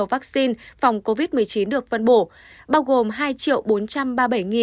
phòng covid một mươi chín được phân bổ bao gồm hai bốn trăm ba mươi bảy bảy trăm sáu mươi liều mũi một